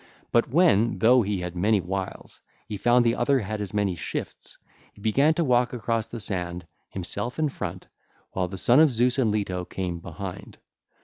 But when, though he had many wiles, he found the other had as many shifts, he began to walk across the sand, himself in front, while the Son of Zeus and Leto came behind.